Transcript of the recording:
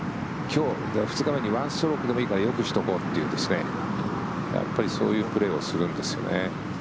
２日目に１ストロークでもいいからよくしておこうというそういうプレーをするんですよね。